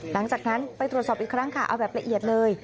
หลังจากนั้นไปตรวจสอบอีกครั้งค่ะเอาแบบละเอียดเลย